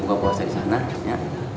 buka puasa di sana